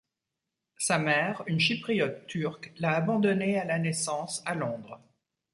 Sa mère, une Chypriote turque, l'a abandonnée à la naissance à Londres.